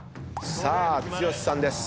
さあ剛さんです。